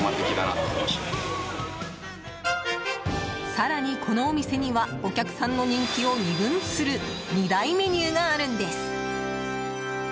更に、このお店にはお客さんの人気を二分する二大メニューがあるんです。